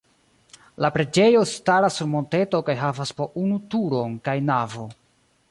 La preĝejo staras sur monteto kaj havas po unu turon kaj navo.